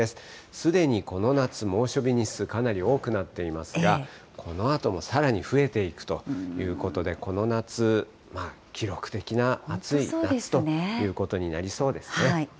すでにこの夏、猛暑日日数かなり多くなっていますが、このあともさらに増えていくということで、この夏、記録的な暑い夏ということになりそうですね。